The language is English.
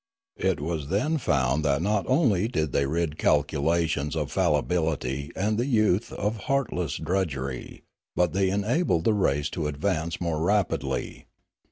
It was then found that not only did they rid calculations of fallibility and the youth of heartless drudgery, but they enabled the race to advance more rapidly.